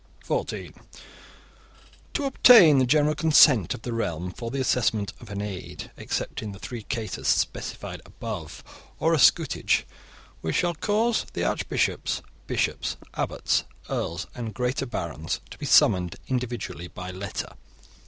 (14) To obtain the general consent of the realm for the assessment of an 'aid' except in the three cases specified above or a 'scutage', we will cause the archbishops, bishops, abbots, earls, and greater barons to be summoned individually by letter.